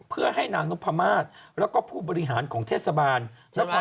เพื่อให้ดั่งหนูพะมาสและผู้บริหารของเทศบาลนครเชียงใหม่